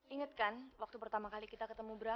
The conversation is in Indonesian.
ingatkan waktu pertama kali kita ketemu bram